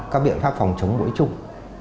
các biện pháp phòng chống mũi chung